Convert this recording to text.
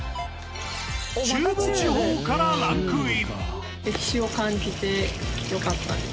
中部地方からランクイン。